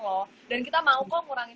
loh dan kita mau kok ngurangin